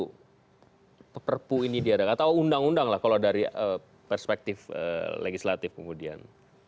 kalau perpu ini diadakan atau undang undang lah kalau dari perspektif legislatif kemudian